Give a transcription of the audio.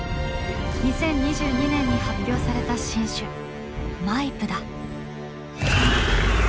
２０２２年に発表された新種マイプだ。